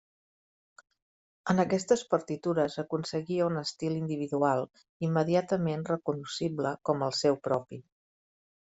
En aquestes partitures aconseguia un estil individual immediatament recognoscible com el seu propi.